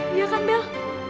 iya kan bel